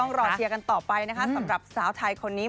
รอเชียร์กันต่อไปนะคะสำหรับสาวไทยคนนี้